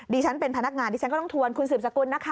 ฉันเป็นพนักงานดิฉันก็ต้องทวนคุณสืบสกุลนะคะ